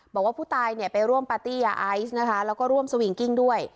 บอกว่าผู้ตายเนี่ยไปร่วมปาร์ตี้ยาไอซ์นะคะแล้วก็ร่วมสวิงกิ้งด้วย